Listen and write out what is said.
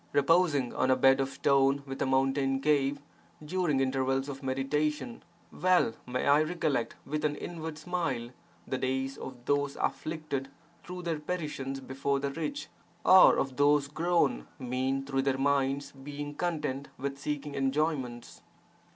Reposing on a bed of stone within a mountain cave, during intervals of meditation, (well) may I recollect with an inward smile the days of those afflicted through their petitions before the rich, or of those grown mean through their minds being content with seeking enjoyments.